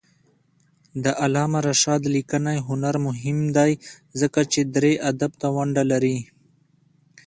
د علامه رشاد لیکنی هنر مهم دی ځکه چې دري ادب ته ونډه لري.